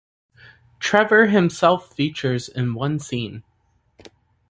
Trevor himself features in one scene.